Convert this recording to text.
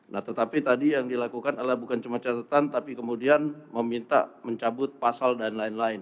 nah tetapi tadi yang dilakukan adalah bukan cuma catatan tapi kemudian meminta mencabut pasal dan lain lain